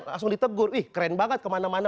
langsung ditegur ih keren banget kemana mana